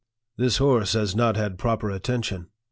" This horse has not had proper attention.